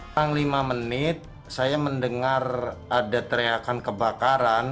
dalam lima menit saya mendengar ada teriakan kebakaran